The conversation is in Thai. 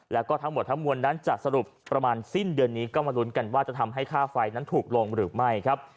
แล้วก็ทั้งหมดทั้งมวลนั้นจะสรุปประมาณสิ้นเดือนนี้ก็มาลุ้นกันว่าจะทำให้ค่าไฟนั้นถูกลงหรือไม่ครับ